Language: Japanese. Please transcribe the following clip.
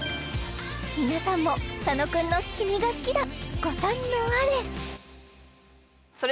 皆さんも佐野くんの「君が好きだ」ご堪能あれ